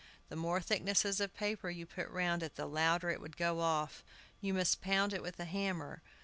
The more thicknesses of paper you put round it the louder it would go off. You must pound it with a hammer.